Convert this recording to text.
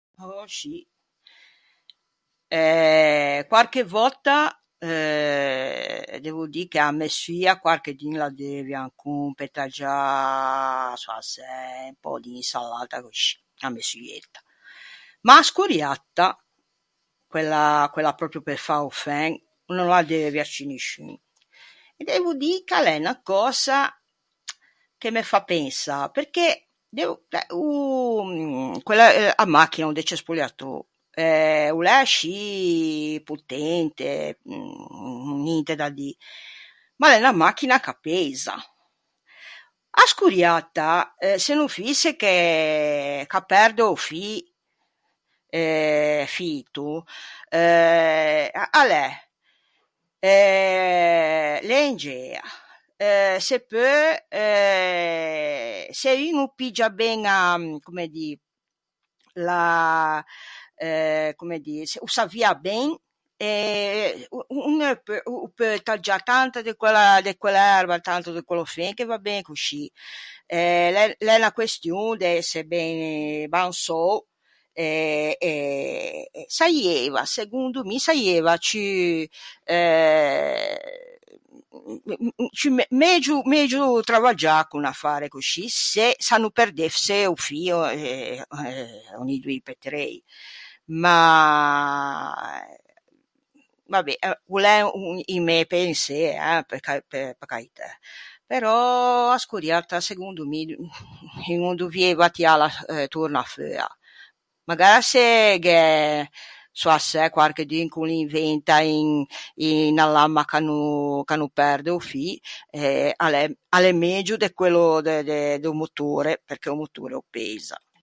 Oscì. Eh... quarche vòtta euh devo dî che a messoia quarchedun l'addeuvia ancon pe taggiâ, sò assæ, un pö d'insalatta coscì, a messoietta. Ma a scorriatta, quella, quella pròpio pe fâ o fen, no l'addeuvia ciù nisciun. E devo dî ch'a l'é unna cösa che me fâ pensâ, perché devo eh o... quella... euh a machina, o decespugliatô, eh, o l'é ascì potente, ninte da dî, ma a l'é unna machina ch'a peisa. A scorriatta, se no fïse che, ch'a perde o fî eh fito euh... a l'é eh lengea, eh se peu... eh, se un o piggia ben a, comme dî, la, eh comme dî, o s'avvia ben, e un ne peu o peu taggiâ tanta de quella de quell'erba e tanto de quello fen che va ben coscì. E l'é l'é unna question de ëse ben bänsou e e saieiva segondo mi saieiva ciù euh ciù me- megio megio travaggiâ con un affare coscì se, s'a no perdesse o fî eh ògni doî pe trei. Ma, va be, o l'é un mæ pensê eh, pe ca- pe caitæ. Però a scorriatta segondo mi un o dovieiva tiâla torna feua. Magara se gh'é, sò assæ, quarchedun ch'o l'inventa un unna lamma ch'a no ch'a no perde o fî, eh, a l'é a l'é megio de quello de de do motore, perché o motore o peisa.